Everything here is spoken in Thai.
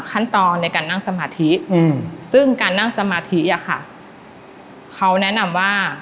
ขั้นตอนในการนั่งสมาธิซึ่งการนั่งสมาธิอะค่ะเขาแนะนำว่า